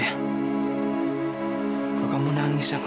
bagaimana kalau kamu diamlah ini karena apa